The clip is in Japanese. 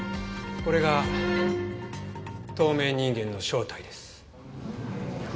これが透明人間の正体です。